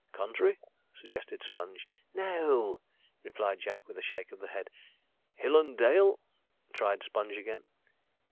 'Country,' suggested Sponge. 'No,' replied Jack, with a shake of the head. 'Hill and dale?' tried Sponge again.